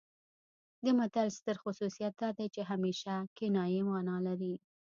د متل ستر خصوصیت دا دی چې همیشه کنايي مانا لري